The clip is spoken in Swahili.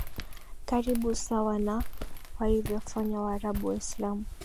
karibu sawa na walivyofanya Waarabu Waislamu